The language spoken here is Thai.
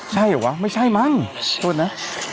ใช่เหรอวะไม่ใช่มั้งโทษนะ